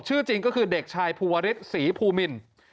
ชื่อจริงก็คือเด็กชายภูวริสศรีภูมิน